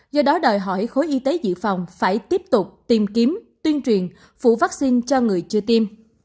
do đó đòi hỏi khối y tế dự phòng phải tiếp tục tìm kiếm tuyên truyền phủ vaccine cho người chưa tiêm